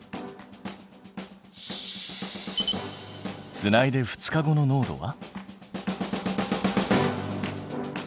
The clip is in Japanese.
つないで２日後の濃度は？